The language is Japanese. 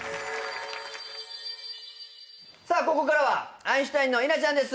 ここからはアインシュタインの稲ちゃんです。